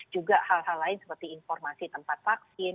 juga hal hal lain seperti informasi tempat vaksin